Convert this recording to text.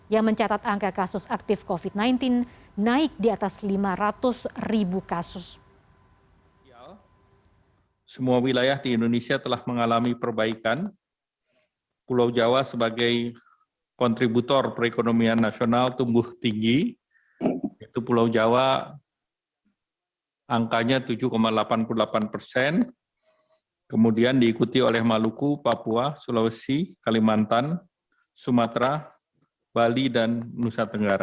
yang mencatat angka kasus aktif covid sembilan belas naik di atas lima ratus ribu kasus